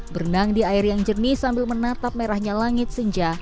berenang di air yang jernih sambil menatap merahnya langit senja